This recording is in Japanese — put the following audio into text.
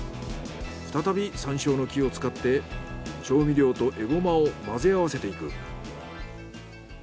再び山椒の木を使って調味料とエゴマを混ぜ合わせていく。